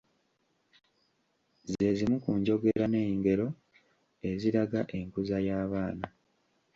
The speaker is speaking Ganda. Ze zimu ku njogera n’engero eziraga enkuza y’abaana.